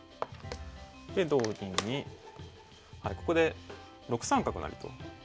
で同銀にここで６三角成と。